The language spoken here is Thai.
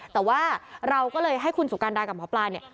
แต่ว่าเราก็เลยให้คุณสุการดากับหมอปลาเนี่ย